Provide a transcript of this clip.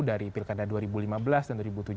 dari pilkada dua ribu lima belas dan dua ribu tujuh belas